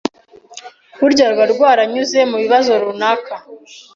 burya ruba rwaranyuze mu bibazo runaka